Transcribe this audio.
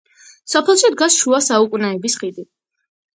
სოფელში დგას შუა საუკუნეების ხიდი.